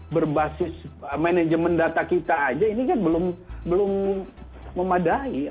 berbasis manajemen data kita aja ini kan belum memadai